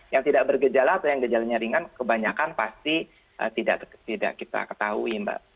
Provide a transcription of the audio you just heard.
yang tidak bergejala atau yang gejalanya ringan kebanyakan pasti tidak kita ketahui mbak